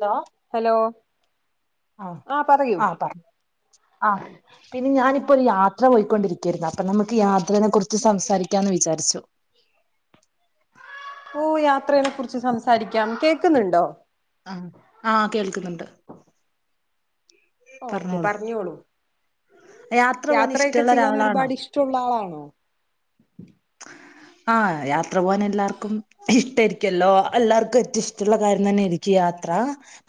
Hello hello ആഹ് ആ പറയൂ ആഹ് പറ ആഹ് പിന്നെ ഞാനി ഇപ്പൊര് യാത്ര പോയിക്കൊണ്ടിരിക്കാരുന്നു അപ്പൊ നമുക്ക് യാത്രനെ കുറിച്ച് സംസാരിക്കാന്ന് വിചാരിച്ചു ഓഹ് യാത്രേനെ കുറിച്ച് സംസാരിക്കാം കേക്ക്ന്ന്ണ്ടോ? ആഹ്, ആഹ്, കേൾക്ക്‌ന്ന്ണ്ട്. ഓക്കെ പറഞ്ഞോളൂ. യാത്ര പോകാൻ യാത്രയൊക്കെ ഇഷ്ടമുള്ള ചെയ്യാൻ ഒരാളാണോ ഒരുപാട് ഇഷ്ട്ട ഉള്ള ആളാണോ? ആഹ്, യാത്ര പോവാൻ എല്ലാർക്കും ഇഷ്ട്ടേരിക്കല്ലോ എല്ലാർക്കും ഏറ്റം ഇഷ്ട്ടള്ള കാര്യം തന്നേരിക്കും യാ യാത്ര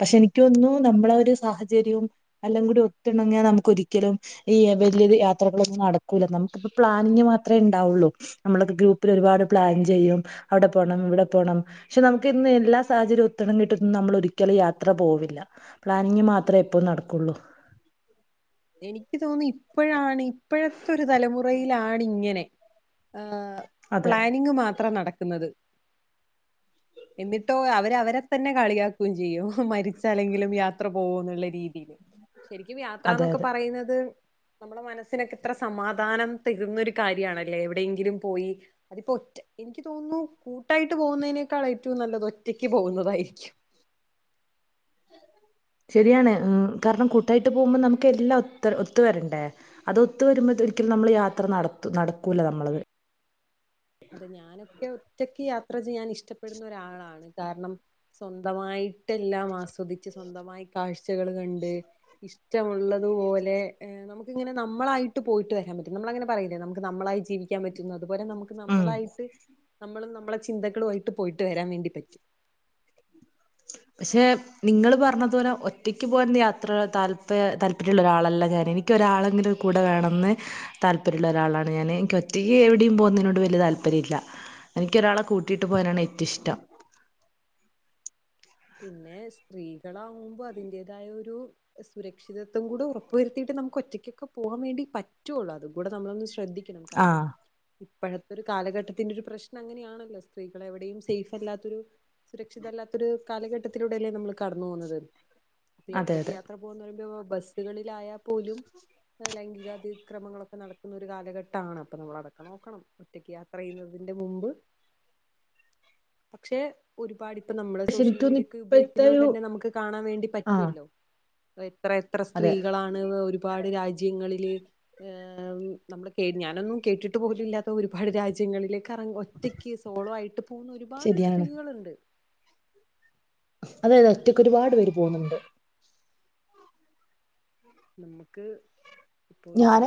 പഷേ എനിക്കോന്നുന്നു നമ്മളെ ഒരു സാഹചര്യവും എല്ലാം കൂടി ഒത്തിണങ്ങിയാ നമുക്ക് ഒരിക്കലും ഈ വലിയത് യാത്രകളൊന്നും നടക്കൂല നമുക്കിപ്പ പ്ലാനിങ് മാത്രേണ്ടാവൊള്ളൂ. നമ്മളൊക്കെ ഗ്രൂപ്പിൽ ഒരുപാട് പ്ലാൻ ചെയ്യും. അവടെ പോണം ഇവടെ പോണം. പഷേ നമുക്ക് ഇന്ന് എല്ലാ സാഹചര്യവും ഒത്ത് ണങ്ങീട്ടൊന്നും നമ്മള് ഒരിക്കലും യാത്ര പോവില്ല പ്ലാനിങ്ങ് മാത്രേ എപ്പോം നടക്കൊള്ളൂ. എനിക്ക് തോന്നി ഇപ്പഴാണ് ഇപ്പഴത്തെ ഒരു തലമുറയിലാണ് ഇങ്ങനെ. ആഹ് അതെ പ്ലാനിംങ്ങ് മാത്രം നടക്കുന്നത്. [unintelligible] എന്നിട്ടോ അവരവരെ തന്നെ കളിയാക്കും ചെയ്യും മരിച്ച അല്ലെങ്കിലും യാത്ര പോകും എന്നുള്ള രീതിയില് ശെരിക്കും അതെ യാത്രന്നൊക്കെ അതെ പറയുന്നത് നമ്മടെ മനസ്സിനൊക്കെ ഇത്ര സമാധാനം തരുന്ന ഒര് കാര്യണല്ലേ എവിടെയെങ്കിലും പോയി അതിപ്പോ റ്റ് എനിക്ക് തോന്നുന്നു കൂട്ടായിട്ട് പോകുന്നതിനേക്കാൾ ഏറ്റവും നല്ലത് ഒറ്റക്ക് പോകുന്നതായിരിക്കും [unintelligible] ശെരിയാണ് കാരണം കൂട്ടായിട്ട് പോകുമ്പോ നമുക്ക് എല്ലാം ഒ ഒത്ത് വരണ്ടേ അത് ഒത്ത് വരുമ്പോ ത് ഒരിക്കലും നമ്മൾ യാത്ര നട നടക്കൂല നമ്മളത് അതെ ഞാനൊക്കെ ഒറ്റക്ക് യാത്ര ചെയ്യാൻ ഇഷ്ടപ്പെടുന്ന ഒരാളാണ് കാരണം സ്വന്തമായി ട്ടെല്ലാം ആസ്വദിച്ച് സ്വന്തമായി കാഴ്ചകൾ കണ്ട് കുറ്റമുള്ളതു പോലെ നമ ഇത് ഇങ്ങനെ നമ്മളായിട്ട് പോയിട്ട് വരാൻ പറ്റും നമ്മള അങ്ങനെ പറയില്ലെ നമക്ക്‌ നമ്മളായി ജീവാൻ പറ്റും അതുപോലെ നമ ഉം നമ്മളായിട്ട് നമ്മളും നമ്മളെ ചിന്തകളും ആയിട്ട് പോയിട്ട് വരാൻ വേണ്ടി പറ്റും പഷേ നിങ്ങള് പറഞ്ഞത് പോലെ ഒറ്റക്ക് പോകൻ യാത്ര താൽപ്പ താൽപര്യള്ള ഒരാളല്ല ഞാൻ എനിക്ക്‌ ഒരാളെങ്കിലും കൂടെ വേണംന്ന് താൽപര്യള്ള ഒരാളാണ് ഞാൻ എനിക്ക് ഒറ്റക്ക്‌ എവിടെയും പോകുന്നതിനോട് വല്യ താ താൽപര്യം ഇല്ല എനിക്കൊരാളെ കൂട്ടിട്ട് പോകാനാണ് ഏറ്റം ഇഷ്ട്ടം പിന്നെ സ്ത്രീകളാവുമ്പം അതിന്റെതായ ഒരു സുരക്ഷിതത്വം കൂടെ ഉറപ്പുവരുത്തിയിട്ട് നമുക്ക് ഒറ്റക്കൊക്കെ പോകാൻ വേണ്ടി പറ്റുഒള്ളൂ അതും കൂടി നമ്മളൊന്ന് ശ്രദ്ധിക്കണം കാരണം ആഹ് ഇപ്പഴത്തെ ഒരു കാലഘട്ടത്തിന്റെ ഒരു പ്രശ്നം അങ്ങനെയാണല്ലോ സ്ത്രീകൾ എവിടെയും സേഫ് അല്ലാത്തൊരു സുരക്ഷിത അല്ലാത്തൊരു കാലഘട്ടത്തിലൂടെയല്ലേ നമ്മള് കടന്നു പോന്നത് അപ്പം ഈ അതെ ഒറ്റക്ക് അതെ യാത്ര പോന്ന് പറയുമ്പോ ബസ്സ്കളിലായാ പോലും ലൈംഗികാതിക്രമങ്ങളൊക്കെ നടക്കുന്ന ഒരു കാലഘട്ടാണ് അപ്പൊ നമ്മള് അതൊക്കെ നോക്കണം ഒറ്റക്ക് യാത്ര ചെയ്യ്ന്നത് അന്റെ മുമ്പ് [unintelligible] പക്ഷേ ഒരുപാടി ഇപ്പൊ നമ്മ പക്ഷെ സോഷ്യൽ എനിക്ക് തോന്നുന്നു മീഡിയക്കെ ഇപ്പോഴത്തെ ഉപയോഗിക്കുന്ന ഒരു കൊണ്ട്ന്നെ നമുക്ക് കാണാൻ വേണ്ടി പറ്റുവ് ആഹ് ല്ലോ എത്ര എത്ര അതെ സ്ത്രീകളാണ് ഒരുപാട് രാജ്യ രാജ്യങ്ങളിൽ നമ്മ ഞാനൊന്നും കേട്ടിട്ട് പോലും ഇല്ലാത്ത ഒരുപാട് രാജ്യങ്ങളില് കറ ഒറ്റക്ക് സോളോ ആയിട്ട് പോകുന്ന ഒരുപാട് ശരിയാണ് സ്ത്രീകൾുണ്ട് അതെതെ ഒറ്റക്ക് ഒരുപാട് പേര് പോകുന്നുണ്ട് നമ്മുക്ക് ഞാന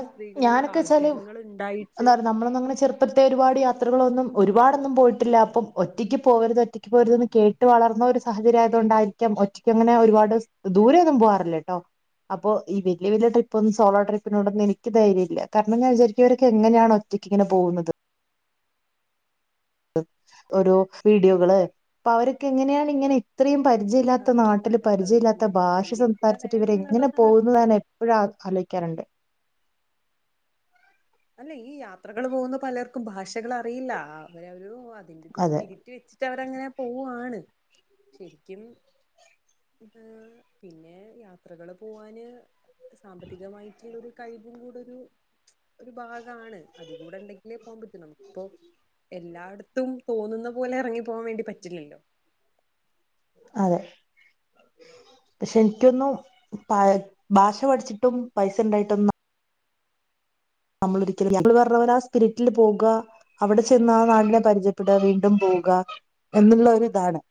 ഞാനൊക്കെ വെച്ചാല് ഉണ്ടായിട്ട് എന്താ പറയാ നമ്മളൊന്നങ്ങനെ ചെറുപ്പത്തെ ഒരുപാട്ത്ര ത്രകളൊന്നും ഒരുപാടൊന്നും പോയിട്ടില്ല അപ്പം ഒറ്റയ്ക്ക് പോകരുത് ഒറ്റക്ക് പോരുത്ന്ന് കേട്ട് വളർന്ന ഒരു സാഹചര്യ ആയതോ ണ്ടായിരിക്ക ഒറ്റക്ക് അങ്ങനെ ഒരുപാട് ദൂരെ ഒൊന്നും പോവാാറില്ലേ കേട്ടോ അപ്പൊ ഈ വല വലിയ ട്രിപ്പ ഒന്ന സോ ട്രിപ്പ് പിന്നോടൊന്നും എനിക്ക് ധര്യല്ല കാരണം ഞാൻ വിചാരിക്കവരൊക്കെ എങ്ങനെയാണ് ഒറ്റയ്ക്ക് ഇങ്ങനെ പോകുന്നത് ഓരോ വീഡിയോകള് അപ്പൊ അവരൊക്കെ എങ്ങനെയാണ് ഇങ്ങനെ ഇത്രയും പരിചയ ഇല്ലാത്ത അതെ നാട്ടിൽ മനോധൈ പരിചയ ഇല്ലാത്ത ഭാഷ മനോധൈര്യം കൂടെ സംസാരിച്ചിട്ട് വേണം ഇവരെ എങ്ങനെ എന്നുള്ളതാണ് പോകുന്നതാണ് എപ്പോഴാ അ ഠിക്കാറുണ്ട് അല്ല ഈ യാത്രകൾ പോകുന്ന പലർക്കും ഭാഷകൾ അറിയില്ല അവരവ അതിന്റെ ഒരു അതെ സ്പിരിറ്റ് വെച്ചിട്ട് അവരങ്ങനെ പോവുവാണ് ശരിക്കും പിന്നെ യാത്രകള് പോവാന് സാമ്പത്തികമായിട്ടുള്ളരു കഴിവും കൂടെരു ഒരു ഭാഗമാണ് അത കൂടെ ഉണ്ടെങ്കിലേ പോകാൻ പറ്റും നമുിപ്പോ എല്ലായിടത്തും തോന്നുന്ന പോലെ ഇറങ്ങി പോവാാൻ വേണ്ടി പറ്റില്ലല്ലോ അതെ പക്ഷെ എനിക്കൊന്നു പ ഭാഷ പഠിച്ചിട്ടും പൈസ ഉണ്ടായിട്ടൊന്ന നമ്മൾ ഒരിക്കല നമ്മള് പറഞ്ഞ പോലെ ആ സ്പിരിറ്റിൽ പോകുക അവിടെ ചെന്ന ആ നാടിനെ പരിചയപ്പെടുക വീണ്ടും പോ പോ എന്നുള്ള ഇതാണ്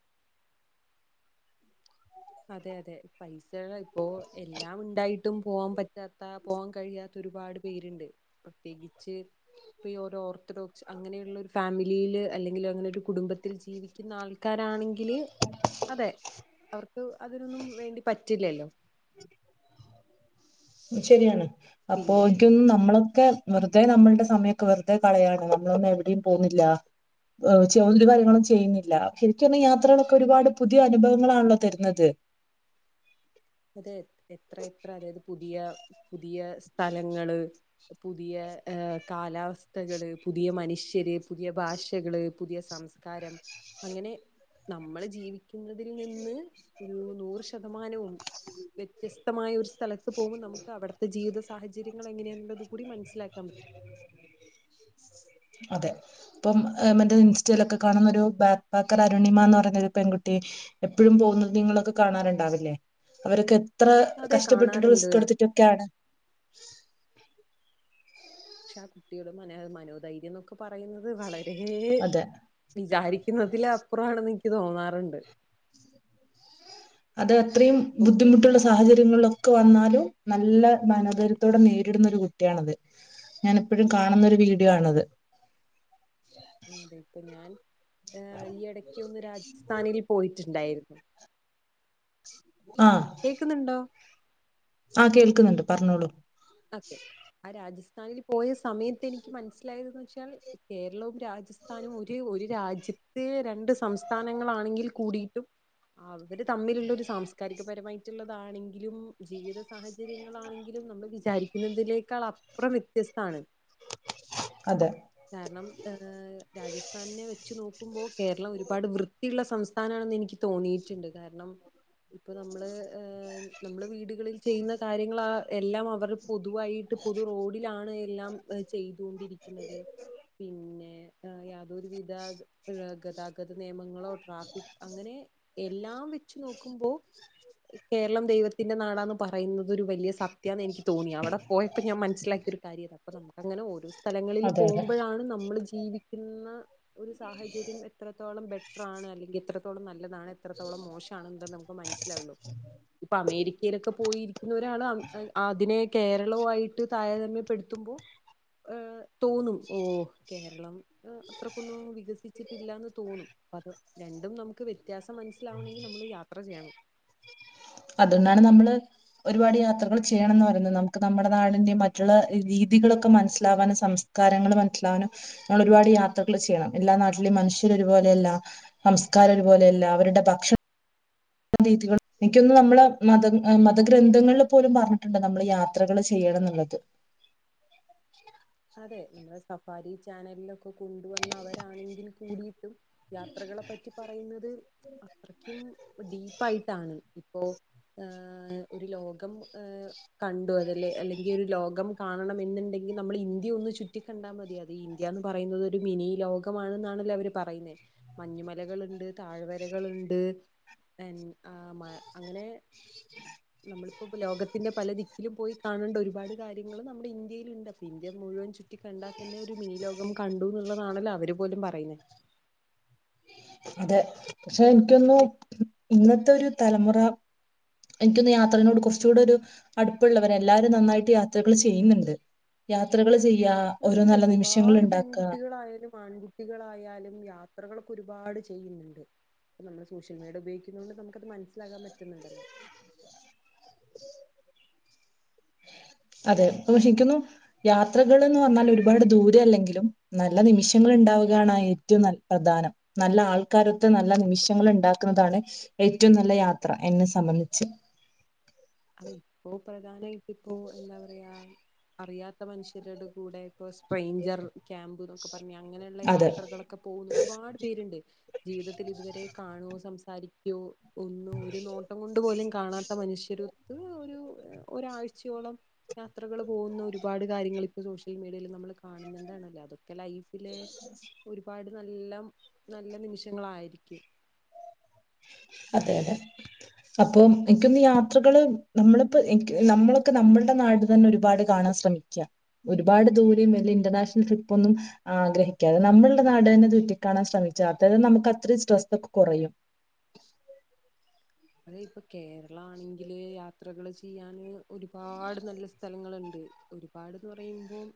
അതെ അതെ പൈസക ഇപ്പോൊ എല്ലാം ഉണ്ടായിട്ടും പോവാൻ പറ്റാത്ത പോവാൻ കഴിയാത്ത ഒരുപാട് പേരുണ്ട് പ്രത്യേകിച്ച് ഇപ്പൊ ഈ ഓരോ ഓർത്തഡോക്സ് അങ്ങനെയുള്ള ഒരു ഫാമിലിയിൽ അല്ലെങ്കിൽ അങ്ങനെ ഒരു കുടുംബത്തിൽ ജീവിക്കുന്ന ആൾക്കാര ണെങ്ക അതെ അവർക്ക് അതിനൊന്നും വേണ്ടി പറ്റില്ലല്ലോ ശരിയാണ് അപ്പൊ പിന്നെ എനിക്കൊന്ന് നമ്മളൊക്കെ വെറുതെ നമ്മളുടെ സമയത്ത് വെറുതെ കളയാണ് നമ്മളൊന്നും എവിടെയും പോുന്നില്ല ചോദ്യ കാര്യങ്ങളും ചെയ്യുന്നില്ല ശരിക്കുംൊന്നും യാത്രകളൊക്കെ ഒരുപാട് പുതിയ അനുഭവങ്ങളാണല്ലോ തരുന്നത് [unintelligible] അതെ എത്ര എത്ര അതായത് പുതിയ പുതിയ സ്ഥലങ്ങള് പുതിയ കാലാവസ്ഥകള് പുതിയ മനുഷ്യ നുര് പുതിയ ഭാഷകള് പുതിയ സംസ്കാരം അങ്ങനെ നമ്മള് ജീവ ുന്നതിൽ നിന്ന് ഒരു നൂറ് ശതമാനവും വ്യത്യസ് ശക്തമായ സ്ലത്ത് പോകുമ്പൾ നമുക്ക് അവിടുത്തെ ജീവിത സാഹചര്യങ്ങനെയുള്ളത് കൂ മനസിലാക്കി തമിച്ച അതെ ഇപ്പം മറ്റ ഇൻസ്റ്റയിലൊക്കെ കാണുന്ന ഒരു ബാക്ക് പാക്കർ അരുണിമ എന്ന് പറഞ്ഞൊരു പെൺകുട്ടി എപ്പോഴും പോകുന്നത് നിങ്ങളൊക്കെ കാണാറുണ്ടാവില്ലേ അവരൊക്കെ എത്ര അതെ കഷ്ടപ്പെട്ടിട്ട് കാണാറുണ്ട് റിസ്ക് എടുത്തിട്ടൊക്കെയാണ് പക്ഷെ ആ കുട്ടിയുടെ മനോ മനോധൈര്യം എന്നൊക്കെ പറയുന്നത് വളരെ അതെ വിചാരിക്ക ഇന്നതില അപ്പുറംമാണെന്ന് എനിക്ക് തോന്നാറുണ്ട് അത് അത്രയും ഓക്കെ ബുദ്ധിമുട്ടുള്ള സാഹചര്യങ്ങളൊ വന്നാലും നല്ല മനോതരുത്തോടെ നേരിടുന്ന ഒരു കുട്ടിയാണത് ഞാൻ എപ്പോഴും കാണുന്ന ഒരു വീഡിയോ ആണത് അതെ ഇപ്പൊ ഞാൻ ഏർ ഈ ഇടക്ക് ഒന്ന് രാജസ്ഥാനിൽ പോയിട്ടുണ്ടായിരുന്നു കേക്കുന്നുണ്ടോ ആഹ കേൾക്കുന്നുണ്ട് പറഞ്ഞോളൂ ക്കെ ആ രാജസ്ഥ ങ്കിൽ പോയ സമയത്ത് എനിക്ക് മനസ്സിലായത്െന്ന് വെച്ചാൽ കേരളവും രാജസ്ഥാനും ഒരു ഒരു രാജ്യം ഇത്തെ രണ്ട് സംസ്ഥാനങ്ങളാണെങ്കിൽ കൂടിയിട്ടും അവര് തമ്മിലുള്ള ഒരു സാംസ്കാരികപരമായിട്ടുള്ളതാണെങ്കിലും ജീവിത സാഹചര്യങ്ങളാണെങ്കിലും നമ്മള് വിചാരിക്കുന്നതിലേക്കാൾ അപ്പുറം വ്യത്യസ്താണ് അതെ കാരണം ഏഹ് രാജസ്ഥാനിനെ വെച്ചു നോക്കി ക്കുമ്പോ കേരളം ഒരുപാട് വൃത്തിയുള്ള സംസ്ഥാനാണെന്ന് എനിക്ക് തോന്നിയിട്ടുണ്ട് കാരണം ഇപ്പൊ നമ്മള് നമ്മള് വീടുകളിൽ ചെയ്യുന്ന കാര്യങ്ങൾ ആഹ് എല്ലാം അവർ പൊതുവായിട്ട് പൊതു റോഡിലാണ് എല്ലാം ചെയ്തൊണ്ടിരിക്കുന്നത് പിന്നെ ആഹ് യാതൊരു വിധ ഗതാഗത നിയമങ്ങളോ ട്രാഫിക് അങ്ങനെ എല്ലാം വെച്ച് നോക്കുമ്പോ കേരളം ദൈവത്തിന്റെ നാടാന്ന് പറയുന്നത് ഒരു വലിയ സത്യാന്ന് എനിക്ക് തോന്നി അവിടെ പോയപ്പോൾ ഞാൻ മനസ്സിലാക്കിയ ഒരു കാര്യ അ അപ്പ നമുക്കങ്ങനെ ഓരോ സ്ഥലങ്ങളിൽ അതെ അതെ പോകുമ്പോഴാണ് നമ്മൾ ജീവിക്കുന്ന ഒരു സാഹചര്യം എത്രത്തോളം ബെറ്ററാണ് അല്ലെങ്കിൽ എത്രത്തോളം നല്ല താണ് എത്രത്തോളം മോശം ആണ് എന്നത് നമുക്ക് മനസ്സിലാവുള്ളൂ ഇപ്പൊ അമേരിക്കയിലൊക്കെ പോയിരിക്കുന്ന ഒരാള് അത് കേരളവും ആയിട്ട് താരതമ്യപ്പെടുത്തുമ്പോ ഏഹ് തോന്നും ഓ കേരളം അത്രക്കൊന്നും വികസിച്ചിട്ടില്ലാന്ന് തോന്നും അപ്പ അത് രണ്ടും നമുക്ക് വ വ്യത്യാസം മനസ്സിലാവണമെങ്കിൽ നമ്മള് യാത്ര ചെയ്യണം അതുകൊണ്ടാണ് നമ്മള് ഒരുപാട് യാത്രകൾ ചെയ്യണംന്ന് പറയുന്നത് നമുക്ക് നമ്മുടെ നാടിന്റെ മറ്റുള്ള രീതികളൊക്കെ മനസ്സിലാവാന് സംസ്ഥാ കാര്യങ്ങള് മനസ്സിലാവാനും നമ്മൾ ഒരുപാട് യാത്രകൾ ചെയ്യണം എല്ലാ നാട്ടിലും മനുഷ്യര് ഒരുപോലെയല്ല സംസ്‌കാരം ഒരുപോലെയല്ല അവരുടെ ഭക്ഷണം രീതികൾ എനിക്ക് തോന്ന്ന്നു നമ്മള് മത മതഗ്രന്ഥങ്ങളിൽ പോലും പറഞ്ഞിട്ടുണ്ട് നമ്മള് യാത്രകൾ ചെയ്യ ണന്നുള്ളത് അതെ നമ്മുടെ സഫാരി ചാനലിലൊക്കെ കൊണ്ടുവന്നവരാണെങ്കിൽ കൂടി യാത്രകളെ പറ്റി പറയുന്നത് അത്രക്കും ഡീപ്പ് ആയിട്ടാണ് അപ്പോ ഏ ഹ് ഒരു ലോകം ഏ കണ്ടു അതല്ല അല്ലെങ്കിൽ ഒരു ലോകം കാണണം എന്നുണ്ടെങ്കിൽ നമ്മൾ ഇന്ത് ഇന്ത്യ ഒന്ന് ചുറ്റി കണ്ടാൽ മതി അത് ഇന്ത്യ എന്ന് പറയുന്നത് ഒരു മിനി ലോകമാണെന്നാണല്ലോ അവര് പറയുന്നെ മഞ്ഞ് മലകളുണ്ട് തയ്‌വരകൾ കളുണ്ട് ആ അങ്ങനെ നമ്മളിപ്പോ ഇ ലോകത്തിന്റെ പല ദിക്കിലും പോയി കാണേണ്ട ഒരുപാട് കാര്യങ്ങളും നമ്മുടെ ഇന്ത്യയിലുണ്ട് അപ്പൊ ഇന്ത്യ മു മുഴുവൻ ചുറ്റി കണ്ടാൽ തന്നെ ഒരു മിനി ലോകം കണ്ടു ന്നുള്ളതാണല്ലോ അവര് പോലും പറയുന്നെ അതെ പക്ഷെ എനിക്ക് തോന്നു പക്ഷെ ഇന്നത്തെ ഒരു തലമുറ എനിക്കൊന്ന് യാത്രനോട് കുറച്ച് കൂടെ ഒരു അടുപ്പുള്ളവര് എല്ലാരും നന്നായിട്ട് യാത്രകൾ ചെയ്യുന്നുണ്ട് യാത്രകൾ ചെയ്യ് അതെ അതെ ഒരുപാട് പെൺകുട്ടികളായാലും ആൺകുട്ടികളായാലും യാത്ര ത്രകളൊക്കെ ഒരുപാട് ചെയ്യുന്നുണ്ട് അപ്പ നമ്മള് സോഷ്യൽ മീഡിയ ഉപയോഗിക്കുന്നുന്നത് കൊണ്ട് നമുക്ക് അത് മനസ്സിലാകാൻ പറ്റുന്നുണ്ടല്ലോ അതെ പക്ഷേ എനിക്ക് തോന്നുന്നു യാത്രകൾ എന്ന് പറഞ്ഞാൽ ഒരുപാട് ദൂരെ അല്ലെങ്കിലും നല്ല നിമിഷങ്ങ ഉണ്ടാവുകയാണ് ഏറ്റവും പ്രധാനം നല്ല ആൾക്കാരൊത്ത് നല്ല നിമിഷങ്ങൾ ഉണ്ടാക്കുന്നതാണ് ഏറ്റ ഏറ്റവും നല്ല യാത്ര എന്നെ സംബന്ധിച്ച് അത് ഇപ്പോ പ്രധാനമായിട്ട് ഇപ്പോ എന്താ പറയാ അറിയാത്ത ത്ത മനുഷ്യരുടെ കൂടെ ഇപ്പ സ്ട്രെഞ്ചർ ക്യാമ്പ് എന്നൊക്കെ പറഞ്ഞ് അങ്ങനെയുള്ള അതെ യാത്രകളൊക്കെ പോകുന്ന ഒരുപാട് പേരുണ്ട് ജീവിതത്തിൽ ഇതുവരെ കാണുവോ സംസാരി സാരിക്കോ ഒന്ന് ഒരു നോട്ടം കൊണ്ട് പോലും കാണാത്ത മനുഷ്യരു ഒരാഴ്ചയോളം യാത്രകൾ പോകുന്ന ഒരുപാട് കാര്യങ്ങൾ ഇപ്പോൾ സോഷ്യൽ മീഡിയയിൽ നമ്മൾ കാണുന്നുണ്ടാണല്ലോ അത് ലൈഫില് ഒരുപാട് നല്ല നല്ല നിമിഷങ്ങളായിരിക്കും അതെ അതെ അപ്പൊ എനിക്കൊന്നീ യാത്രകള് നമ്മളിപ്പോ എനിക്ക് നമ്മളൊക്കെ നമ്മളുടെ നാട് തന്നെ ഒരുപാട് കാണ ശ്രമിക്ക്യാ ഒരുപാട് ദൂരേം വല്ല്യ ഇന്റർനാഷണൽ ട്രിപ്പ് ഒന്നും ആഗ്രഹിക്കാതെ നമ്മളുടെ നാട് തന്നെ ചുറ്റിക്കാണാൻ ശ്രമിക്കു മിച്ചാ തന്നെ നമുക്ക് അത്രയും സ്ട്രെസ്സ് ഒക്കെ കുറയും അതെ ഇപ്പൊ കേരള ആണെങ്കില് യാത്രകള് ചെയ്യാന് ഒരുപാട് നല്ല സ്ഥലങ്ങള്ണ്ട് ഒരുപാട്ന്ന് പറയുമ്പോം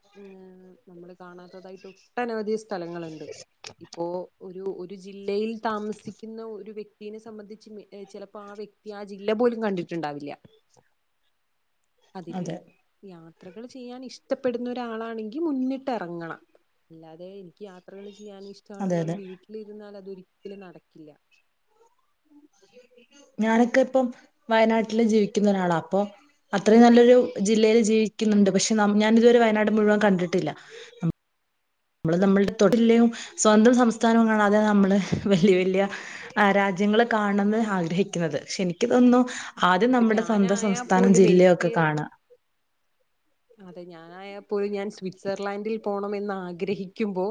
നമ്മള് കാണാത്തതായിട്ട് ഒട്ടനവധി സ്ഥലങ്ങളുണ്ട് ഇപ്പോ ഒരു ഒരു ജില്ലയിൽ താമസിക്കുന്ന ഒരു വ്യക്തിനെ സംബന്ധിച്ച് ചെല അപ്പൊ ആ വ്യക്തി ആ ജില്ല പോലും കണ്ടിട്ടുണ്ടാവില്ല അതിര് അതെ ഞാൻ യാത്രകൾ ചെയ്യാൻ ഇഷ്ടപ്പെടുന്ന ഒരാളാണെങ്കിൽ മുന്നിട്ട് ഇറങ്ങണം അല്ലാതെ എനിക്ക് യാത്രകൾ ഇഷ് ചെയ്യാൻ അതെ ഇഷ്ടണെന്ന് പറഞ്ഞാൽ അതെ വീട്ടിലിരുന്നാൽ അതൊരിക്കലും നടക്കില്ല ഞാനൊക്കെ ഇപ്പം വയനാട്ടില് ജീവിക്കുന്ന ഒരാളാ അപ്പൊ അത്രയും നല്ലൊരു ജില്ലയിൽ ജീവിക്കുന്നുണ്ട് പക്ഷെ ഞാൻ ഇതുവരെ വയനാട് മുഴുവൻ കണ്ടിട്ടില്ല നമ്മള് നമ്മളുടെ തൊട്ടിലയും സ്വന്തം സംസ്ഥാനവും കാണാതെ നമ്മള് വല്യ വല്യ രാജ്യ രാജ്യങ്ങൾ കാണണംന്ന് ആഗ്രഹിക്കുന്നത് പക്ഷെ എനിക്ക് തോന്നുന്നു ആദ്യം ഇപ്പൊ നമ്മുടെ സ്വന്തം ഞാനായാൽ സംസ്ഥാനം പോലും ജില്ലയയും എനിക്ക് ഒക്കെ കാണാ അതെ ഞാനായപ്പോലും ഞാൻ സ്വിറ്റ്സർലാൻഡിൽ പോണംന്ന് ആഗ്രഹിക്കുമ്പോ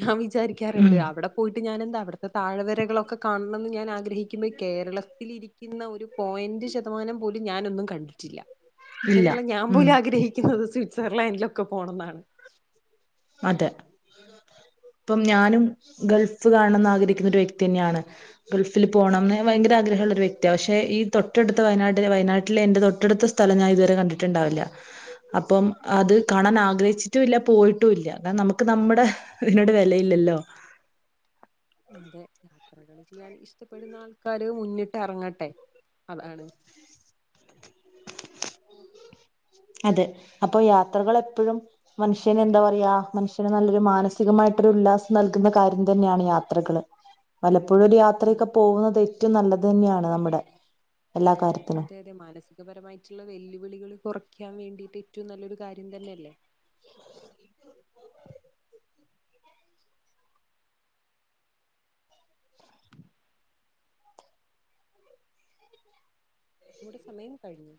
ഞാൻ വിചാരിക്കാറുണ്ട് ഉം അവിടെ പോയിട്ട് ഞാനന്താവിടെ താഴ്‌വരകളൊക്കെ കാണണംമെന്ന് ഞാൻ ആഗ്രഹിക്കുമ്പോൾ കേരളത്തിലിരിക്കുന്ന ഒരു പോയിന്റ് ശതമാനം പോലും ഞാനൊന്നും കണ്ടിട്ടില്ല. ഇല്ല അങ്ങനെള്ള ഞാൻ ഉം പോലും ആഗ്രഹിക്കുന്നത് സ്വിറ്റ്സർലാൻഡിലൊക്കെ പോണംന്നാണ് അതെ ഇപ്പം ഞാനും ഗൾഫ് കാണണം ന്ന് ആഗ്രിക്കുന്നൊരു വ്യക്തി തന്നെയാണ് ഗൾഫിൽ പോണംന്ന് വയങ്കര ആഗ്ര ഹള്ളൊരു വ്യക്തിയാ പക്ഷെ ഈ തൊട്ടടുത്ത വയനാട്ടിലെ വയനാട്ടിലെ എന്റെ തൊട്ടടുത്ത സ്ഥലം ഞാൻ ഇതുവരെ കണ്ടിട്ട്ണ്ടാവില്ല. അപ്പം അത് കാണാൻ ആഗ്രഹിച്ചിട്ടും ഇല്ല പോയി ട്ടൂല്ല്യ കാരണം നമുക്ക് നമ്മുടെ ഇതിനോട് വെലയില്ലല്ലോ. അതെ യാത്രകള് ചിയ്യാൻ ഇഷ്ടപ്പെടുന്ന ആൾക്കാര് മുന്നിട്ട് എറങ്ങട്ടെ. അതാണ് അതെ അപ്പൊ യാത്രകള് എപ്പഴും മനുഷ്യന് എന്താ പറയാ മനുഷ്യന് നല്ലൊരു മാനസികമായിട്ടൊരു ഉല്ലാസം നൽകുന്ന കാര്യം തന്നെയാണ് യാത്രകൾ ഇപ്പോഴൊരു ആ, യാത്രൊക്കെ പോകുന്നത് ഏറ്റവും നല്ലത് തന്നെയാണ് നമ്മുടെ എല്ലാ കാര്യത്തിനും പരമായിട്ടുള്ള വെല്ലുവിളികൾ കുറയ്ക്കാൻ വേണ്ടിട്ട് ഏറ്റവും നല്ലൊരു കാര്യം തന്നെയല്ലേ നമ്മുടെ സമയം കഴിഞ്ഞു